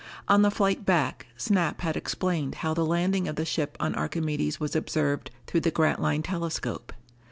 On the flight back, Snap had explained how the landing of the ship on Archimedes was observed through the Grantline telescope.